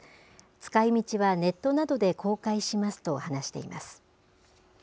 使いみちはネットなどで公開しますと話しています。